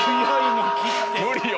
無理よ。